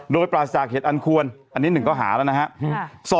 โดยปราศจากเหตุอันควรอันนี้๑ข้อหาแล้วนะครับ